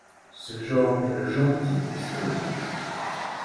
Ce genre est le genre-type des strombes.